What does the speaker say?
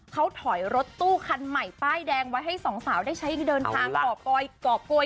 เขาถอยรถตู้คันใหม่ป้ายแดงไว้ให้สองสาวได้ใช้เดินทางก่อโกยก่อโกย